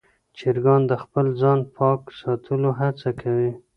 چرګان د خپل ځان پاک ساتلو هڅه کوي.